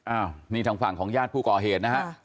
อ้าวนี่ทางฝั่งของญาติผู้ก่อเหตุนะฮะ